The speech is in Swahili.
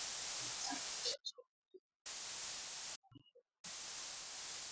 Virusi vinavyosababisha ugonjwa huu hutoka na kinyesi au kutokea katika mate na machozi